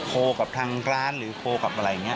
กับทางร้านหรือโคลกับอะไรอย่างนี้